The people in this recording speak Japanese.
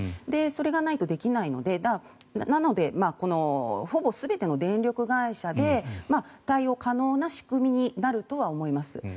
それがないとできないのでなのでほぼ全ての電力会社で対応可能な仕組みになるとは思います。